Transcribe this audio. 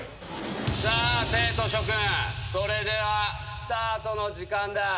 さあ生徒諸君それではスタートの時間だ。